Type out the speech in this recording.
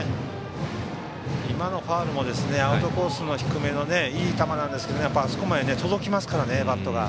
今のファウルもアウトコースの低めのいい球なんですけどあそこまで届きますからねバットが。